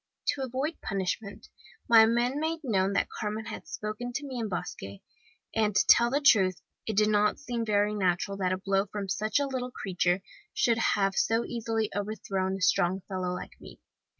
"To avoid punishment, my men made known that Carmen had spoken to me in Basque; and to tell the truth, it did not seem very natural that a blow from such a little creature should have so easily overthrown a strong fellow like me.